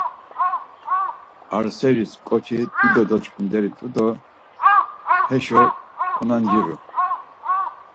Ar seriz ǩoçi dido doç̌ǩinderi t̆u do heşo konanciru.